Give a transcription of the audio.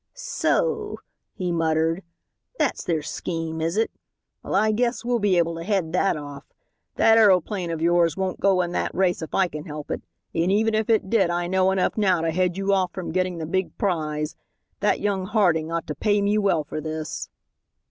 "So," he muttered, "that's your scheme, is it? Well, I guess we'll be able to head that off. That aeroplane of yours won't go in that race if I can help it, and even if it did I know enough now to head you off from getting the big prize. That young Harding ought to pay me well for this."